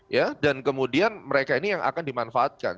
ya dan kemudian mereka ini yang akan dimanfaatkan